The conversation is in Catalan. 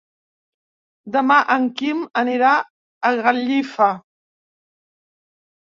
Demà en Quim anirà a Gallifa.